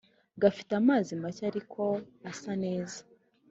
gafite amazi make ariko asa neza